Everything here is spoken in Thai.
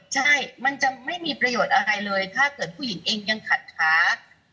ใช่มันจะไม่มีประโยชน์อะไรเลยถ้าเกิดผู้หญิงเองยังขัดขา